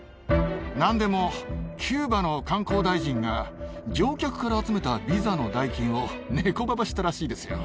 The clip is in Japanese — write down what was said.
なんでもキューバの観光大臣が、乗客から集めたビザの代金をネコババしたらしいですよ。